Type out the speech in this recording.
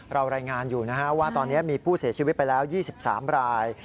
รายงานอยู่นะฮะว่าตอนนี้มีผู้เสียชีวิตไปแล้ว๒๓ราย